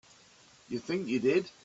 You think you did.